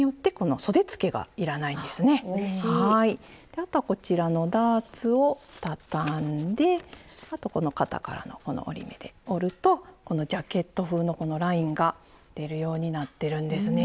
であとはこちらのダーツをたたんであとこの肩からの折り目で折るとこのジャケット風のラインが出るようになってるんですね。